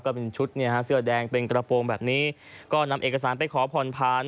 ก็เป็นชุดเนี่ยฮะเสื้อแดงเป็นกระโปรงแบบนี้ก็นำเอกสารไปขอผ่อนผ่าน